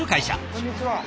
こんにちは。